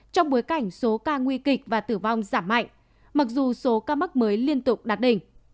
trong bối cảnh số ca nguy kịch và tử vong giảm mạnh mặc dù số ca mắc mới liên tục đạt đỉnh